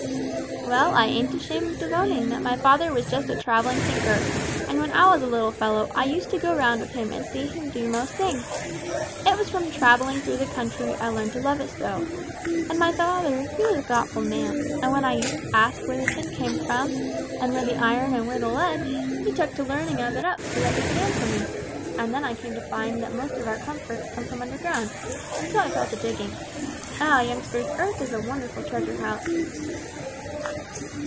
"Well, I ain't ashamed of owning that my father was just a travelling tinker, and when I was a little fellow I used to go round with him and see him do most things. It was from travelling through the country I learned to love it so. And my father, he was a thoughtful man, and when I used to ask where the tin came from, and where the iron and where the lead, he took to learning of it up so that he could answer me; and then I came to find that most of our comforts come from underground, and so I fell to digging. Ah, youngsters, earth is a wonderful treasure house!"